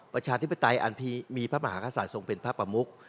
ประชาธิปไตยอันมีพระมหากษัตริย์ทรงเป็นพระประมุก